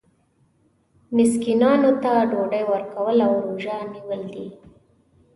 مسکینانو ته ډوډۍ ورکول او روژه نیول دي.